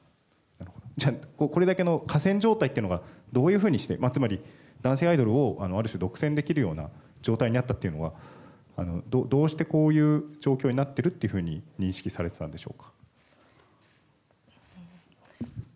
これだけの寡占状態というのがどういうふうにしてつまり男性アイドルを、ある種独占できる状態になったのはどうして、こういう状況になっていると認識されていたんでしょうか？